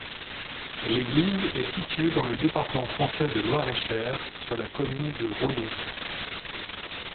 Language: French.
L'église est située dans le département français de Loir-et-Cher, sur la commune de Rhodon.